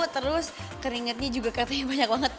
terus keringetnya juga katanya banyak banget